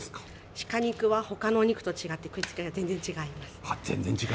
鹿肉は、他のお肉と食いつきが全然違います。